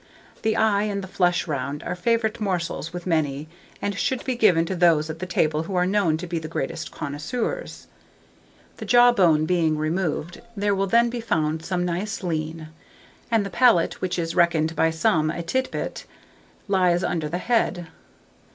The eye, and the flesh round, are favourite morsels with many, and should be given to those at the table who are known to be the greatest connoisseurs. The jawbone being removed, there will then be found some nice lean; and the palate, which is reckoned by some a tit bit, lies under the head.